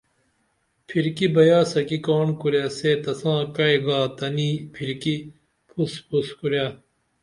پھرکی بیاس کی کاڻ کُرے سے تساں کعی گا تنی پھرکی پُھس پُھس کُرے